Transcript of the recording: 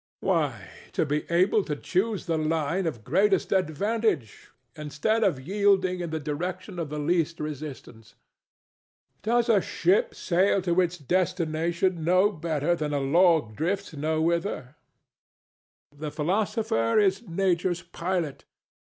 Why, to be able to choose the line of greatest advantage instead of yielding in the direction of the least resistance. Does a ship sail to its destination no better than a log drifts nowhither? The philosopher is Nature's pilot.